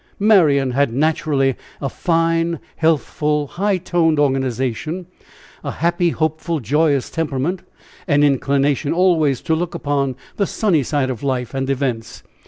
Marian had naturally a fine, healthful, high toned organization a happy, hopeful, joyous temperament, an inclination always to look upon the sunny side of life and events.